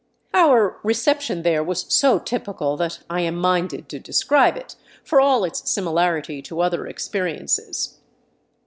Our reception there was so typical that I am minded to describe it, for all its similarity to other experiences.